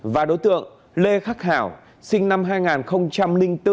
và đối tượng lê khắc hảo sinh năm hai nghìn bốn